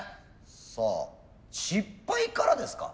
さあ失敗からですか？